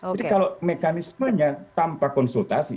jadi kalau mekanismenya tanpa konsultasi